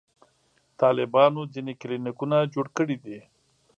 طالبانو ځینې کلینیکونه جوړ کړي دي.